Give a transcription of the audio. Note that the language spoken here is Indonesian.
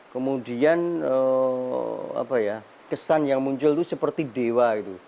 kemudian kesan yang muncul itu seperti dewa